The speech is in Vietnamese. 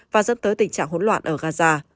và dẫn tới tình trạng hỗn loạn ở gaza